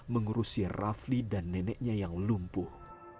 mengurusi rafli dan neneknya yang lumpuh